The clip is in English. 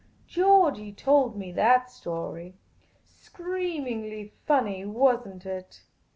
. Georgey told me that story. Screamingly funny, was n't it